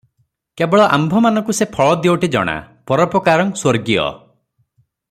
କେବଳ ଆମ୍ଭମାନଙ୍କୁ ସେ ଫଳ ଦିଓଟି ଜଣା 'ପରୋପକାରଂ ସ୍ୱର୍ଗୀୟ' ।